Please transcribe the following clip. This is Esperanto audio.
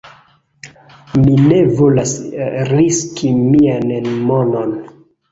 Mi ne volas riski mian monon